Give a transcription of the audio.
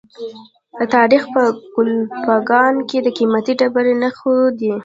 د تخار په کلفګان کې د قیمتي ډبرو نښې دي.